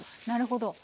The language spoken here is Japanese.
なるほど。